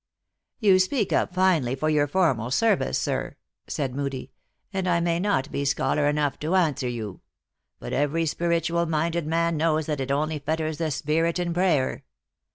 " You speak up finely for your formal service, sir," said Moodie ;" and I may not be scholar enough to answer you. But every spiritual minded man knows that it only fetters the spirit in prayer."